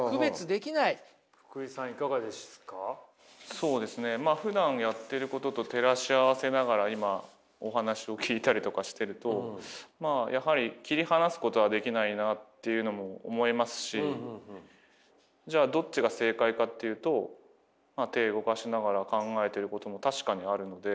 そうですねまあふだんやってることと照らし合わせながら今お話を聞いたりとかしてるとまあやはり切り離すことはできないなっていうのも思いますしじゃあどっちが正解かっていうと手動かしながら考えてることも確かにあるので。